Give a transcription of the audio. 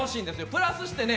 プラスして。